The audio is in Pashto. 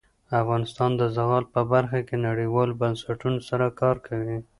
افغانستان د زغال په برخه کې نړیوالو بنسټونو سره کار کوي.